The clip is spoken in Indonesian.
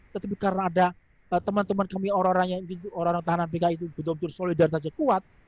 tetapi karena ada teman teman kami orang orang yang orang orang tahanan pki itu betul betul solidaritasnya kuat